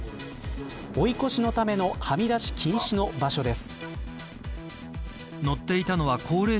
追い越しのためのはみ出し禁止の場所です。